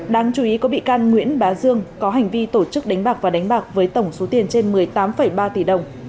đáng chú ý có bị can nguyễn bá dương có hành vi tổ chức đánh bạc và đánh bạc với tổng số tiền trên một mươi tám ba tỷ đồng